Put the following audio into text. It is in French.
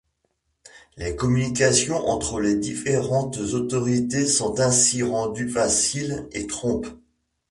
Les communications entre les différentes autorités sont ainsi rendues faciles et promptes.